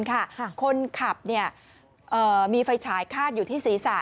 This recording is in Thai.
คนขับมีไฟฉายคาดอยู่ที่ศีรษะ